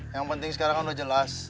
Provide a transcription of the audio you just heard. yang penting sekarang kan udah jelas